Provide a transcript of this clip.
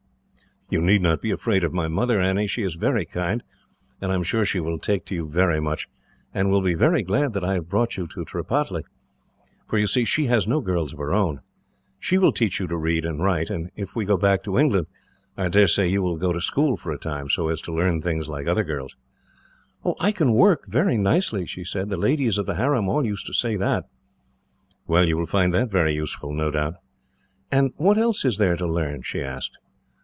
"You need not be afraid of my mother, Annie. She is very kind, and I am sure she will take to you very much, and will be very glad that I have brought you to Tripataly; for, you see, she has no girls of her own. She will teach you to read and write, and if we go back to England, I dare say you will go to school for a time, so as to learn things like other girls." "I can work very nicely," she said. "The ladies of the harem all used to say that." "Well, you will find that very useful, no doubt." "And what else is there to learn?" she asked.